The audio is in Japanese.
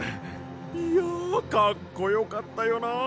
いやかっこよかったよな！